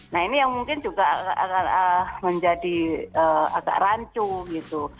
nah ini yang mungkin juga akan menjadi agak rancu gitu